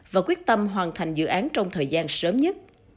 và quyết tâm hoàn thành dự án trong thời gian sau